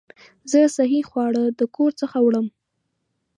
زه صحي خواړه د کور څخه وړم.